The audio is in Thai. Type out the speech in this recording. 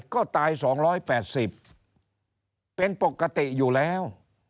ก็ตาย๒๘๐เป็นปกติอยู่แล้ว